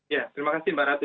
ya terima kasih mbak ratu